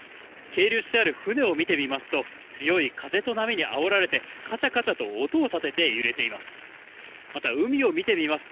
係留してある船を見てみますと、強い風と波にあおられて、かちゃかちゃと音を立てて揺れています。